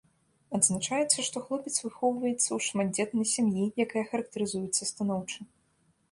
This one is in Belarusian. Адзначаецца, што хлопец выхоўваецца ў шматдзетнай сям'і, якая характарызуецца станоўча.